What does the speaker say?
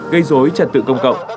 gây dối trật tự công cộng